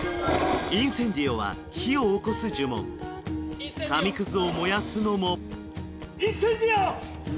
インセンディオは火をおこす呪文紙くずを燃やすのもインセンディオ！